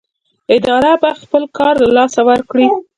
اداره به خپل کار له لاسه ورکړي.